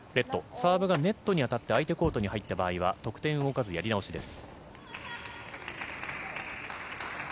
サーブがネットに当たって相手コートに入った場合は得点はなく、やり直しです。